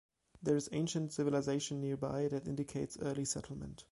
There is ancient civilisation nearby that indicates early settlement.